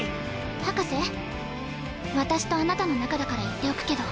博士私とあなたの仲だから言っておくけど。